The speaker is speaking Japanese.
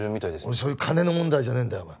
そういう金の問題じゃねえんだよお前。